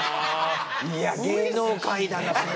いや芸能界だな。